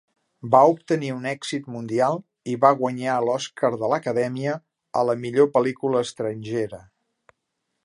Va obtenir un èxit mundial i va guanyar l'Òscar de l'Acadèmia a la millor pel·lícula estrangera.